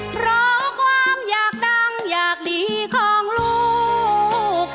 เพราะความอยากดังอยากดีของลูก